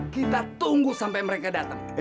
kita tunggu sampai mereka datang